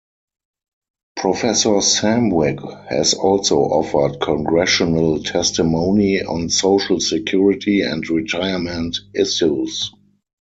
Professor Samwick has also offered Congressional testimony on Social Security and retirement issues.